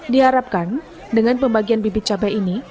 diharapkan dengan pembagian bibit cabai ini